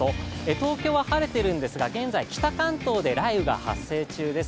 東京は晴れているんですが、現在、北関東で雷雨が発生中です。